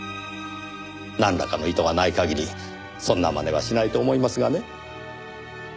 なんらかの意図がない限りそんな真似はしないと思いますがね。